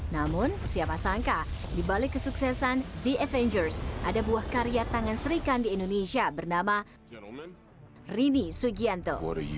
namun siapa sangka di balik kesuksesan the avengers ada buah karya tangan serikan di indonesia bernama rini sugianto